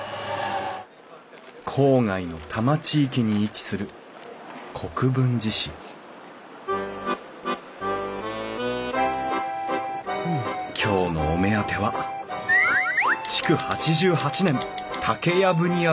郊外の多摩地域に位置する国分寺市今日のお目当ては幻？